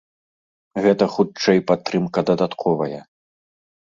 Гэта хутчэй падтрымка дадатковая.